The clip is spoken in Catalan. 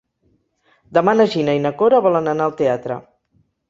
Demà na Gina i na Cora volen anar al teatre.